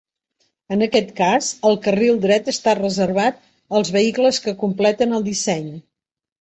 En aquest cas, el carril dret està reservat als vehicles que completen el disseny.